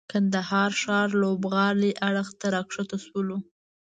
کندهار ښار لوبغالي اړخ ته راکښته سولو.